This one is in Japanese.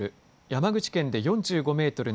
山口県で３０メートル